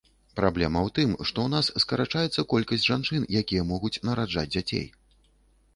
Праблема ў тым, што ў нас скарачаецца колькасць жанчын, якія могуць нараджаць дзяцей.